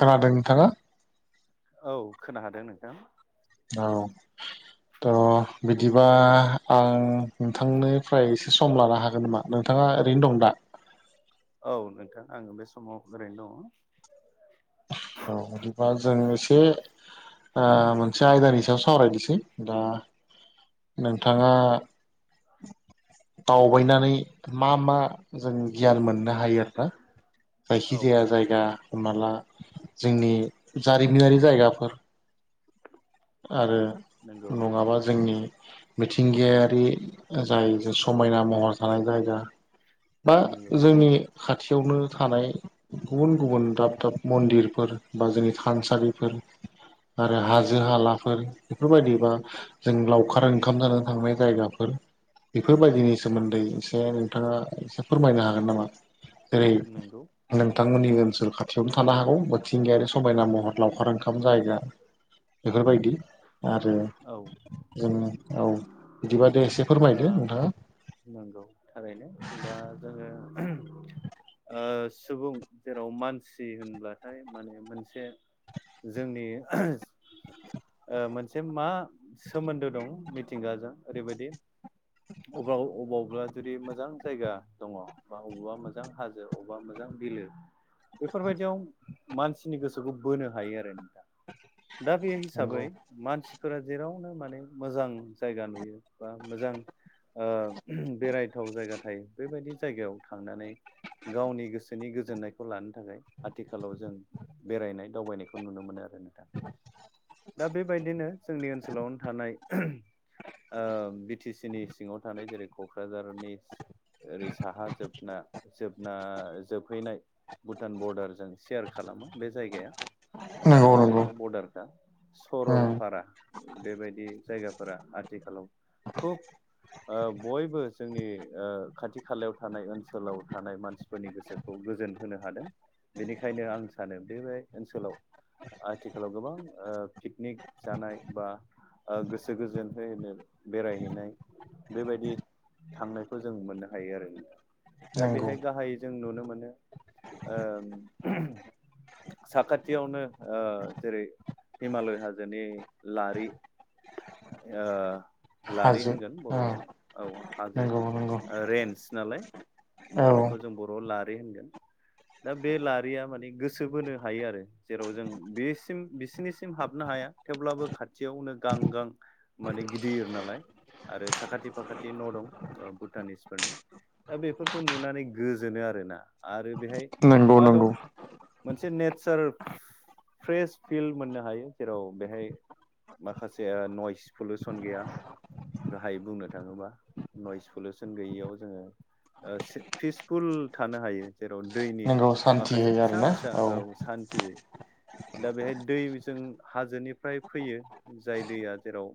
खोनादोंनिथांङा। औ खोनाहादों नोंथां। औ। थ' बिदिबा आं नोंथांनोफ्राय एसे सम लानो हागोन नामा? नोंथाङा ओरैनो दं दा? औ नोंथां आङो बे समाव ओरैनो दङ। औ बिदिबा जों इसे ओ मोनसे आयदानि सायाव सावरायनोसै। दा नोंथांङा। दावबायनानै मा मा जों गियान मोननो हायो? औ जायखिजाया औ जायगा। होमनाला जोंनि जारिमिनारि जायगाफोर। नंगौ आरो नङाबा जोंनि मिथिंगायारि जाय समायना महर थानाय जायगा। बा नंगौ जोंनि खाथियावनो थानाय। गुबुन गुबुन दाब दाब मन्दिरफोर बा जोंनि थानसालिफोर आरो हाजो। हाजो-हालाफोर बेफोरबायदिबा जों लावखार ओंखाम जानानै थांनाय जायगाफोर। बेफोरबायदिनि औ सोमोन्दै इसे नोंथाङा एसे फोरमायनो हागोन नामा? जेरै नंगौ नोंथांमोननि ओनसोल खाथियावबो थानो हागौ मिथिंगायारि समायना महर। लावखार ओंखाम जायगा। बेफोरबायदि आरो। औ जों औ बिदिबा दे एसे फोरमायदो नोंथाङा। नोंगौ थारैनो दा जोङो। ओ सुबुं जेराव मानसि होनब्लाथाय माने मोनसे। जोंनि ओ मोनसे मा सोमोन्दो दं मिथिंगाजों ओरैबादि। अबाव अबावब्ला जुदि मोजां जायगा दङ। बा अबेबा मोजां हाजो अबावबा मोजां बिलो। बेफोरबायदियाव मानसिनि गोसोखौ बोनो हायो आरो नों दा दा बे हिसाबै नंगौ मानसिफोरा जेरावनो माने मोजां जायगा नुयो बा मोजां। ओ बेरायथाव जायगा थायो बेबायदि जायगायाव थांनानै गावनि गोसोनि गोजोननायखौ लानो थाखाय आथिखालाव जों बेरायनाय दावबायनायखौ नुनो मोनो आरो नोंथां [inaudible] दा बेबायदिनो जोंनि ओनसोलावनो थानाय ओ बि टि सि नि सिङाव थानाय जेरै क'क्राझारनि ओरै साहा जोबना जोबना जोबहैनाय भुटान बरडारजों सेयार खालामो बे जायगाया नंगौ नंगौ भुटानजोंनो बरडारखा सरलपारा बेबायदि जायगाफोरा आथिखालाव खुब बयबो जोंनि खाथि खालायाव थानाय ओनसोलाव थानाय मानसिफोरनि गोसो खौ गोजोन होनो हादों बेनिखायनो आं सानो बे ओनसोलाव आथिखालाव गोबां ओ पिकनिक जानाय बा गोसो गोजोनो बेरायहैनाय बेबायदि थांनायखौ जों मोननो हायो आरो दा नंगौ बेहाय गाहाय जों नुनो मोनो ओ साखाथियावनो ओ जेरै हिमालय हाजोनि लारि ओ लारि हाजो होनगोन बर'आव ओं औ हाजो नंगौ नंगौ रेन्स नालाय औ दा बेखौ जों बर'आव लारि होनगोन दा बे लारिया माने गोसो बोनो हायो आरो जेराव जों बेसिम बिसिनि सिम हाबनो हाया थेवब्लाबो खाथियावनो गां गां माने गिदिर नालाय आरो साखाथि फाखाथि न' दं भुटानिसफोरनि दा बेफोरखौ नुनानै गोजोनो आरोना आरो बेहाय नंगौ मा नंगौ दं मोनसे नेचार फ्रेश फिल मोननो हायो जेराव बेहाय माखासे नयस पलिुसन गैया गाहायै बुंनो थाङोब्ला नयस पलिउसन गैयियाव जोङो ओ पिसफुल थानो हायो जेराव दैनि नंगौ सान्थि माखासे होयो फिसा आरोना फिसा औ सान्थि दा बेहाय दै जों हाजोनिफ्राय फैयो जाय दैया जेराव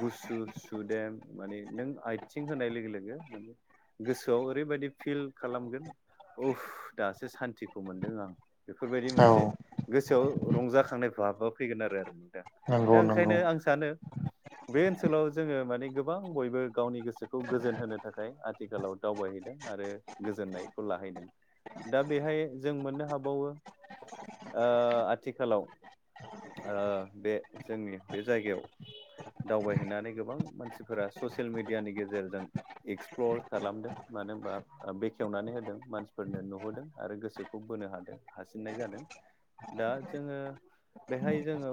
गुसु सुदेम माने नों आथिं होनाय लोगो लोगो माने गोसोआव ओरैबायदि फिल खालामगोन उप दासो सान्थिखौ मोनदों आं बेफोरबायदि औ मोनसे गोसोआव रंजाखांनाय बाबा फैगोन आरो आरो नोंथां नंगौ दा नंगौ ओंखायनो आं सानो बे ओनसोलाव जोङो माने गोबां बयबो गावनि गोसोखौ गोजोन होनो थाखाय आ थिखालाव दावबायहैदों आरो गोजोननायखौ लाहैदों दा बेहाय जों मोननो हाबावो ओ आथिखालाव ओ बे जोंनि बे जायगायाव दावबायहैनानै गोबां मानसिफोरा ससियेल मिडियानि गेजेरजों एक्सप्लर खालामदों मानो होनबा बेखेवनानै होदों मानसिफोरनो नुहोदों आरो गोसो खौ बोनो हादों हासिननाय जादों दा जोङो बेहाय जोङो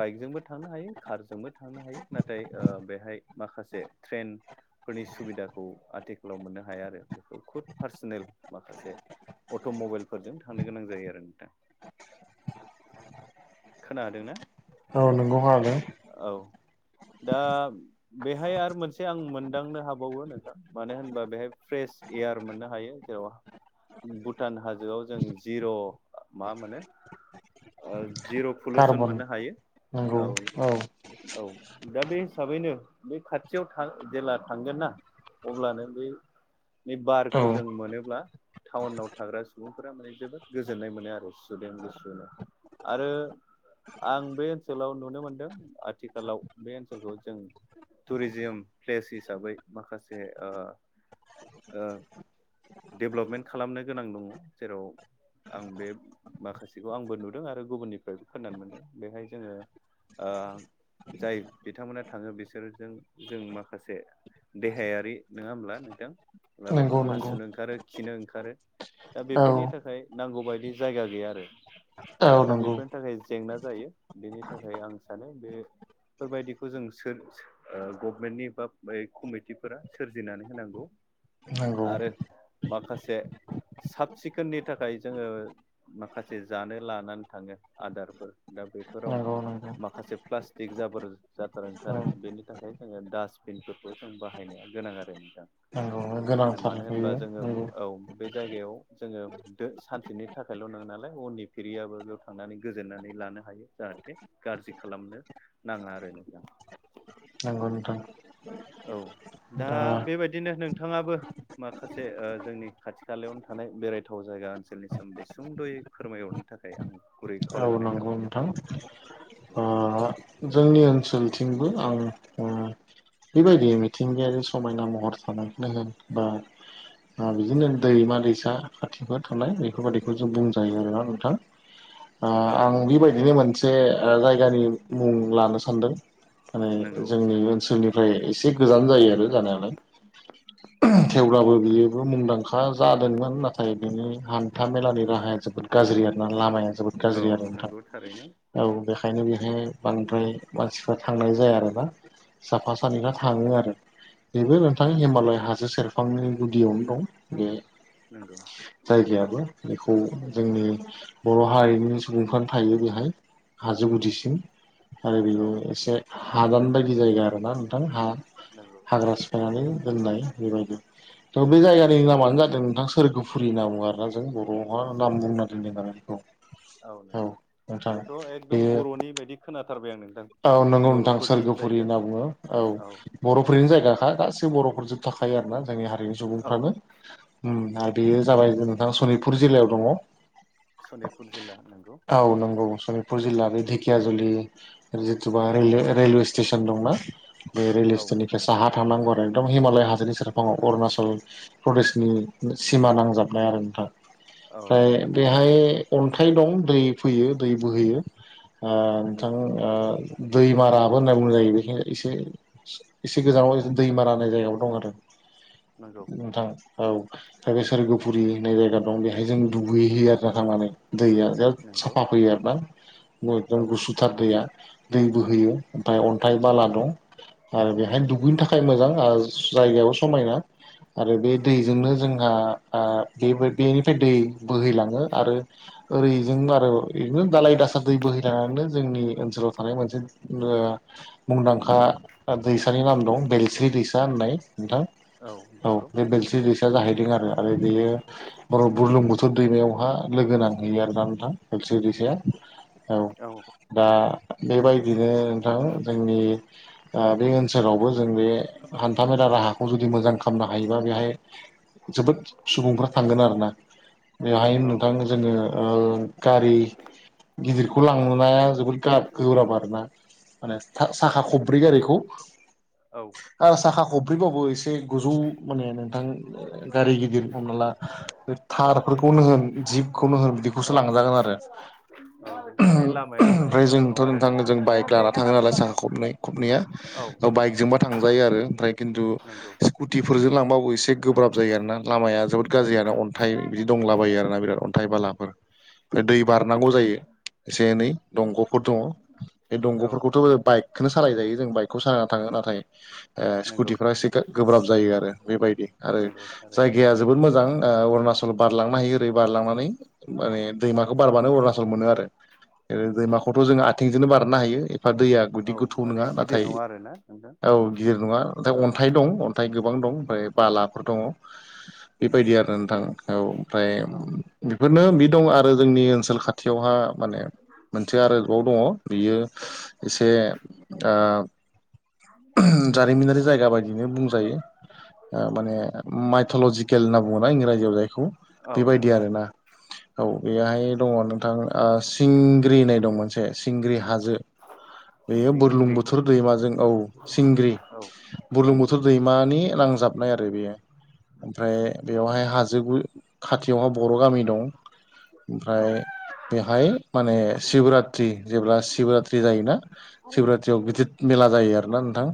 बाइकजोंबो थांनो हायो कारजोंबो थांनो हायो नाथाय ओ बेहाय माखासे ट्रेन फोरनि सुबिदाखौ आथिखालाव मोननो हाया आरो बेखौ खुद पार्सनेल माखासे अट' मबाइलफोरजों थांनो गोनां जायो आरो नोंथां खोनादों ना औ नोंगौ खोनादों औ दा बेहाय आरो मोनसे आं मोनदांनो हाबावो नोंथां मानो होनबा बेहाय फ्रेस एयार मोननो हायो जेराव भुटान हाजोआव जों जिर' मा मोनो जिर' पलिउसन कार्बन मोननो हायो औ औ दा बे हिसाबैनो बे खाथियाव जेला थांगोन ना अब्लानो बै बे औ बारखौ जों मोनोब्ला टाउनाव थाग्रा सुबुंफोरा माने जोबोद गोजोननाय मोनो आरो सुदेम गुसुनो आरो आं बे ओनसोलाव नुनो मोनदों आथिखालाव बे ओनसोलखौ जों टुरिजिम प्लेस हिसाबै माखासे ओ [inaudible] डेभेलपमेन्ट खालामनो गोनां दङ जेराव आं बे माखासेखौ आंबो नुदों आरो गुबुननिफ्रायबो खोनानो मोनदों बेहाय जोङो ओ जाय बिथांमोना थाङो बिसोरजों जों माखासे देहायारि नङा ओमब्ला नोंथां बा नंगौ नंगौ हासुनो ओंखारो खिनो ओंखारो दा औ बेफोरनि थाखाय नांगौबायदि जायगा गैया आरो औ दा नंगौ बेफोरनि थाखाय जेंना जायो बेनि थाखाय आं सानो बे फोरबायदिखौ जों सोर सो ओ गभनमेन्टनि बा कमिटिफोरा सोरजिनानै होनांगौ। नंगौ आरो माखासे साब सिखोननि थाखाय जोङो माखासे जानो लानानै थाङो आदारफोर दा बेफोराव नंगौ नंगौ माखासे प्लास्टिक जाबोर जाथार औ ओंखारो बेनि थाखाय जोङो डासटबिनफोर खौ जों बाहायनाया गोनां आरो मोजां। नंगौ। गोनांथार मानो होनबा बेयो जोङो नंगौ औ बे जायगायाव जोङो दो सानसेनि थाखायल' नङा नालाय उननि फिरियाबो थांनानै गोजोननानै लानो हायो जाहाथे गाज्रि खालामनो नाङा आरो नोंथां। नंगौ नोंथां औ दा बेबायदिनो नोंथाङाबो माखासे ओ जोंनि खाथि खालायावनो थानाय बेरायथाव जायगा ओनसोलनि सोमोन्दै सुंद'यै फोरमाय हरनो थाखाय आं गुरै औ खावलायहरनाय नंगौ थाबाय। नोंथां ओ जोंनि ओनसोलथिंबो आं उम बेबायदि मिथिंगायारि समायना महर थानायखौनो होन बा ओ बिदिनो दैमा दैसा खाथि खाला थानाय बेफोरबायदिखौ जों बुंजायो आरोना नोंथां ओ औ आं बेबायदिनो मोन से ओ जायगानि मुं लानो सानदों माने नंगौ जोंनि ओनसोलनि फ्राय एसे गोजान जायो आरो जानायालाय थेवब्लाबो बियोबो मुंदां खा जादोंमोन नाथाय बिनि हान्था मेलानि राहाया जोबोद गाज्रि आरोना लामाया जोबोद औ गाज्रि आरो नोंथां नंगौ थारैनो औ बेखायनो बेहाय बांद्राय मानसिफ्रा थांनाय जाया आरोना साफा सानैफ्रा थाङो आरो। बेबो नोंथां नंगौ हिमालय हाजो सेरफांनि गुदियावनो दं बे नंगौ। जायगायाबो बेखौ जोंनि बर' हारिनि सुबुंफ्रानो थायो बेहाय हाजो गुदिसिम आरो औ बेनि एसे हादान बायदि जायगा आरोना नोंथां हा नंगौ हाग्रा सिफायनानै दोननाय बेबायदि थ' बे जायगानि नामानो जादों नोंथां सोरगोफुरि होनना बुङो आरोना जों बर'हा नाम बुंना सोरगोफुरि दोननाय न बेखौ [inaudible] औ नंगौ बेथ' एकदम बेयो बर'नि बायदि खोनाथारबाय आं नोंथां। औ नंगौ नोंथां बर'फोरनि सोरगोफुरि जायगा होनना बुङो औ। बर'फोरनिनो जायगाखा गासै बर'फोर जोब थाखायो आरोना जोंनि हारिनि औ सुबुंफ्रानो उम आरो बेयो जाबाय नोंथां सनितपुर जिल्लायाव दङ। सनितपुर जिल्ला नोंगौ औ नंगौ सनितपुर जिल्ला बे ढेकियाजुलि जिथुबा रेल रेलवे स्टेसन दंना बे रेलवे औ स्टेसननि फ्राय साहा थांनांगौ आरो एकदम हिमालय हाजोनि सेरफाङाव अरुणाचल प्रदेशनि सिमा नांजाबनाय आरो नोंथां औ औ ओमफ्राय बेहाय अन्थाइ दं दै फैयो दै बोहोयो ओ नंगौ नोंथां दैमाराबो होनना बुंनाय जायो बेखिनियाव एसे एसे गोजानाव दैमारा होननाय जायगाबो दं आरो नंगौ नोंथां औ आरो सोरगोफुरि होननाय जायगा दं बेहाय जों दुगैहयो आरोना थांनानै दैया जा नंगौ साफा फैयो आरोना औ एखदम गुसुथार दैया दै बोहोयो ओमफ्राय अन्थाइ बाला दं आरो बेहाय दुगैनो थाखाय थाखाय मोजां जायगायाबो समायना आरो बे दैजोंनो जोंहा ओ बेबो बेनिफ्राय दै बोहैलाङो आरो ओरै जों आरो बिदिनो दालाय दासा दै बोहैलांनानैनो जोंनि ओनसोलाव थानाय मोनसे मुंदांखा दैसानि नाम दं बेलस्रि दैसा होननाय नोंथां औ बे बेलस्रि दैसा जाहैदों आरो आरो बेयो बुरलुंबुथुर दैमायावहा लोगो नांहैयो आरो दा ना बेलस्रि दैसाया औ दा बेबायदिनो नोंथां जोंनि बे ओन- ओनसोलावबो जों बे हान्थामेला राहाखौ जुदि मोजां खालामनो हायोबा बेहाय जोबोद सुबुंफ्रा थांगोन आरोना बेहाय औ नोंथां जोङो नंगौ गारि गिदिरखौ लांनाया जोबोद गोब्राब आरोना माने साखा खब्रै गारिखौ औ आरो साखा खब्रैबाबो एसे गोजौ माने नोंथां गारि गिदिर हमना ला बे थारफोरखौनो होन जिपखौनो होन बिदिखौसो लां- जागोन आरो माने लामाया माने ओमफ्राय मोजां नङा जोंथ' आरो नोंथां जों बाइक लाना थाङो नालाय साखा खबनै खबनैया औ बाइकजोंबा थांजायो आरो ओमफ्राय खिन्थु नंगौ स्कुटिफोरजों लांबाबो एसे गोब्राब जायो आरो ना लामाया जोबोद गाज्रियानो अन्थाइ बिदि दंलाबायो आरो ना बिराद अन्थाइ थाइ बालाफोर ओमफ्राय दै बारनांगौ जायो एसे एनै दंग'फोर दङ' बे औ दंग'फोरखौथ' बाइक खोनो सालायजायो जों बाइकखौ सालायना थाङो नाथाय ओ नंगौ स्कुटिफोरा एसे गोब्राब जायो आरो बेबायदि आरो नंगौ थारैनो जायगाया जोबोद मोजां अरुणाचल बारलांनो हायो दै बारलांनानै माने दैमाखौ बारबानो अरुणाचल मोनो आरो दैमाखौथ' जोङो आथिंजोंनो बारनो हायो एफा दैया बिदि औ गोथौ माने नङा गिदिर नाथाय नङा आरोना नोंथां औ गिदिर नङा नाथाय औ अन्थाइ दं अन्थाइ गोबां दं ओमफ्राय बालाफोर दङ' बेबायदि आरो नोंथां औ ओमफ्राय औ बेफोरनो बि दं आरो जोंनि ओनसोल खाथियावहा माने मोनसे आरोबाव दङ' बियो एसे ओ जारिमिनारि जायगा बायदिनो बुंजायो ओ माने माइथलजिकेल होनना बुङोना इंराजियाव जायखौ औ बेबायदि नंगौ आरोना औ बेहाय दङ' नोंथां सिंग्रि होननाय दं मोनसे सिंग्रि हाजो बेयो सिंग्रि बुरलुंबुथुर दैमाजों औ सिंग्रि औ बुरलुंबुथुर दैमानि नांजाबनाय आरो बेयो ओमफ्राय बेवहाय हाजो खाथियावहा बर' गामि दं औ ओमफ्राय बेहाय माने शिबरात्रि जेब्ला शिबरात्रि जायोना सिबरात्रियाव गिदिर मेला जायो आरोना नोंथां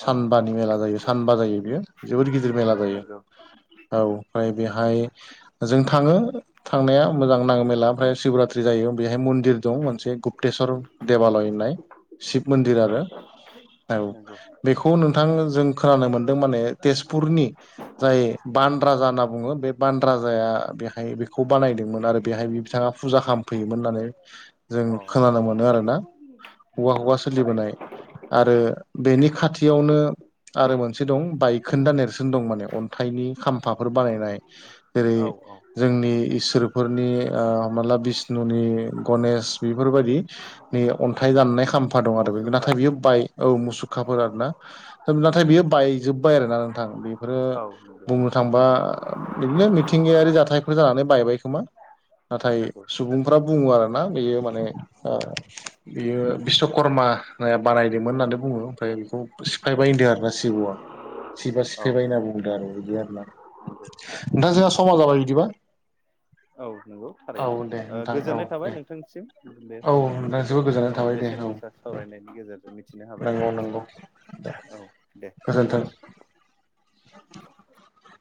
औ मेला जायो नंगौ सानबा जायो बियो जोबोर गिदिर मेला जायो नंगौ औ ओमफ्राय बेहाय जों थाङो थांनाया मोजां नाङो मेला ओमफ्राय शिवरात्रि जायो बेहाय मन्दिर दं मोनसे गुप्तेस्वर देबालय होननाय शिब मन्दिर आरो औ नोंगौ बेखौ नोंथां जों खोनानो मोनदों माने तेजपुरनि जाय बान राजा होनना बुङो बे बान राजाया बेहाय बेखौ बानायदोंमोन आरो बेहाय बिथाङा फुजा खालामामफैयोमोन होननानै जों अ खोनानो मोनो आरोना। हवा नंगौ हवा थारैनो सोलिबोनाय आरो बेनि खाथियावनो आरो मोनसे दं बायखोन्दा नेरसोन दं माने अन्थाइनि खाम्फाफोर बानायनाय जेरै औ औ जोंनि इसोर फोरनि ओ हमना ला बिष्णुनि, गनेश बेफोर बायदि नि अन्थाइ दाननाय खाम्फा दं आरो बे मुसुखा नाथाय बियो बाय औ मुसुखाफोर आरोना। होम नाथाय बियो बायजोब्बाय आरोना नोंथां बेफोरो। औ नंगौ बुंनो थांबा बिदिनो मिथिंगायारि जाथायफोर जानानै बायबाय खोमा। नाथाय नंगौ सुबुंफ्रा बुङो आरो ना बेयो माने ओ बियो बिस्वकर्माया बानायदोंमोन होननानै बुङो ओमफ्राय बेखौ फायबायायदों आरो ना सिब'आ सिबा औ सिफाय बायना बुंदो आरो बिदि आरो ना। नंगौ नोंथां जोहा समा जाबाय बिदिबा। औ नंगौ थारैनो औ दे ओ नोंथां औ गोजोननाय थाबाय दे नोंथांसिम बे औ समाव नोंथां जोबोद गोजोननाय ओ थाबाय दे बेसेन औ गोसा सावरायनायनि गेजेरजों मिथिनो हाबाय नंगौ औ दे। गोजोनथों। [inaudible]